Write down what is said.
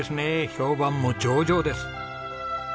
評判も上々です。